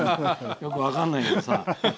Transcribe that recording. よく分からないけどさ。